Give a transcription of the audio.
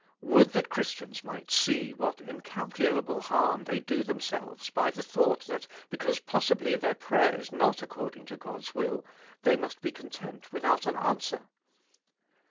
Would that Christians might see what incalculable harm they do themselves by the thought that because possibly their prayer is not according to God's will, they must be content without an answer.